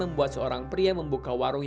membuat seorang pria membuka warung